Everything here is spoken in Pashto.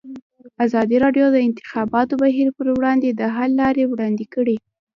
ازادي راډیو د د انتخاباتو بهیر پر وړاندې د حل لارې وړاندې کړي.